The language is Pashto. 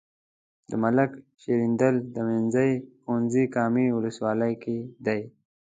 د ملک شیریندل منځنی ښوونځی کامې ولسوالۍ کې دی.